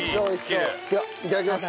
ではいただきます。